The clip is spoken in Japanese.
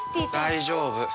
大丈夫。